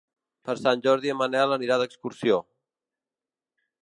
Per Sant Jordi en Manel anirà d'excursió.